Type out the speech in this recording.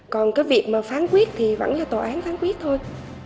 còn cái việc mà phán quyết thì vẫn là tòa án phán quyết thôi